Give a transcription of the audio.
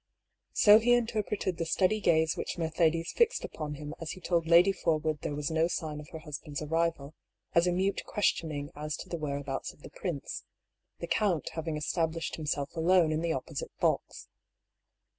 So he interpreted the steady gaze which Mercedes 178 1>R. PAULL'S THEORY. fixed upon him as he told Lady Forwood there was no sign of her husband's arrival as a mute questioning as to the whereabouts of the prince, the count having established himself alone in the opposite box.